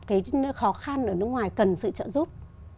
cái khó khăn ở nước ngoài cần sự trợ giúp